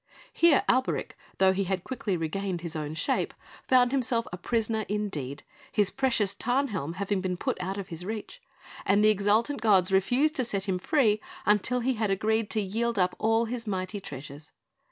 Here Alberic, though he had quickly regained his own shape, found himself a prisoner indeed, his precious Tarnhelm having been put out of his reach; and the exultant gods refused to set him free until he had agreed to yield up all his mighty treasures.